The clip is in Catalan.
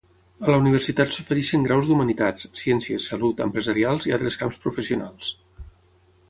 A la universitat s'ofereixen graus d'humanitats, ciències, salut, empresarials i altres camps professionals.